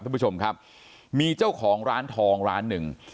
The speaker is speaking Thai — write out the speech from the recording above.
ท่านผู้ชมครับมีเจ้าของร้านทองร้านหนึ่ง